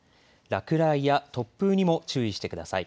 落雷や突風にも注意してください。